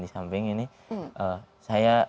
di samping ini saya